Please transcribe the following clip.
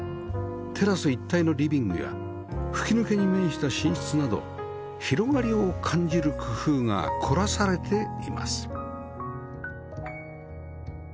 テラス一体のリビングや吹き抜けに面した寝室など広がりを感じる工夫が凝らされています